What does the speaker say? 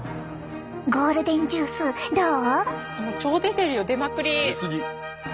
ゴールデンジュースどう？